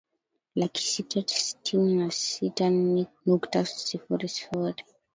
laki sita sitini na sita nikta sifuri sifuri